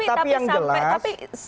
tapi yang jelas